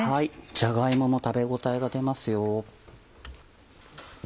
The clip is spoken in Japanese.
じゃが芋も食べ応えが出ますよ。